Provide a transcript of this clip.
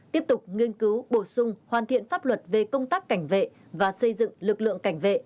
tiếp tục nghiên cứu bổ sung hoàn thiện pháp luật về công tác cảnh vệ và xây dựng lực lượng cảnh vệ